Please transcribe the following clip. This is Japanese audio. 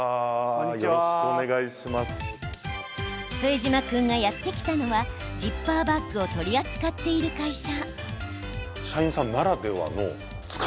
副島君が、やって来たのはジッパーバッグを取り扱っている会社。